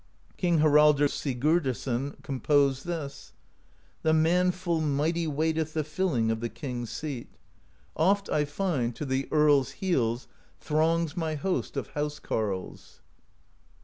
King Haraldr Sigurdarson composed this: The man full mighty waiteth The filling of the King's seat; 200 PROSE EDDA Oft, I find, to the Earl's heels Throngs my host of house carles.